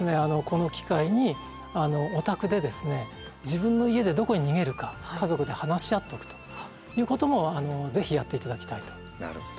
この機会にお宅で自分の家でどこに逃げるか家族で話し合っておくということも是非やっていただきたいと。